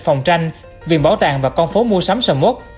phòng tranh viện bảo tàng và con phố mua sắm sầm mốt